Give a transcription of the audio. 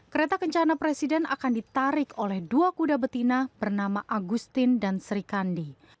kereta kencana presiden akan ditarik oleh dua kuda betina bernama agustin dan sri kandi